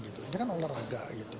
ini kan olahraga